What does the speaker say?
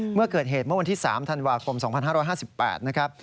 เมื่อเกิดเหตุเมื่อวันที่๓ธันวาคม๒๕๕๘นะครับ